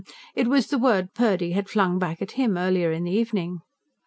It was the word Purdy had flung back at him, earlier in the evening.